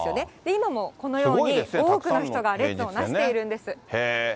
今もこのように多くの人が列を成しているんです。